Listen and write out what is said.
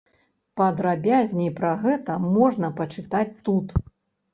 Падрабязней пра гэта можна пачытаць тут.